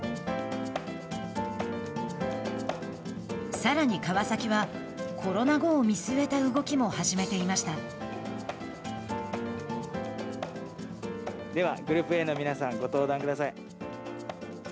さらに川崎はコロナ後を見据えた動きもではグループＡの皆さんご登壇ください。